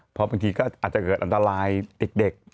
เพราะบางทีก็อาจจะเกิดอันตรายเด็ก